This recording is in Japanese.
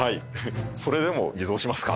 それでも偽造しますか？